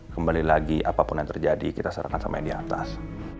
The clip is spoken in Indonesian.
kembali lagi apapun yang terjadi kita sarankan sama yang di atas